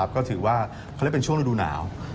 ก็ถือว่าเขาเรียกเป็นช่วงฤดูหนาว